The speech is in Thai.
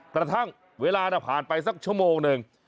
กระทั่งเวลาผ่านไปสักชั่วโมงหนึ่ง